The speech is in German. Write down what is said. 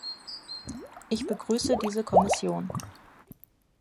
Ich begrüße diese Kommission.